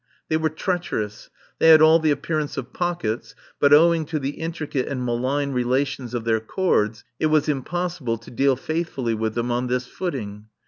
They were treacherous. They had all the appearance of pockets, but owing to the intricate and malign relations of their cords, it was impossible to deal faithfully with them on this footing.